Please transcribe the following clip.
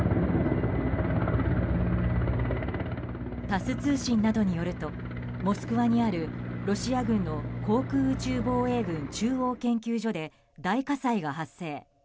タス通信などによるとモスクワにあるロシア軍の航空宇宙防衛軍中央研究所で大火災が発生。